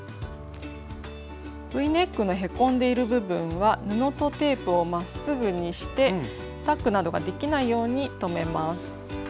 Ｖネックのへこんでいる部分は布とテープをまっすぐにしてタックなどができないように留めます。